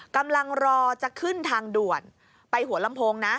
กำลังรอจะขึ้นทางด่วนไปหัวลำโพงนะ